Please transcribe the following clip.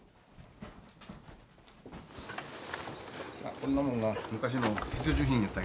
こんなもんが昔の必需品やったよねみの。